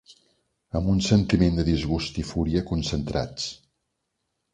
Amb un sentiment de disgust i fúria concentrats